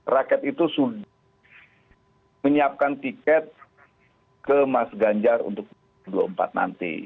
rakyat itu sudah menyiapkan tiket ke mas ganjar untuk dua ribu dua puluh empat nanti